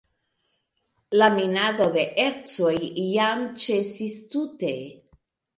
La minado de ercoj jam ĉesis tute.